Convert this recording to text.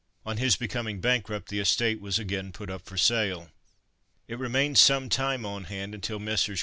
On his becoming bankrupt the estate was again put up for sale. It remained some time on hand, until Messrs.